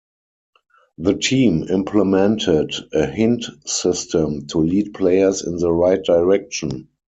The team implemented a hint system to lead players in the right direction.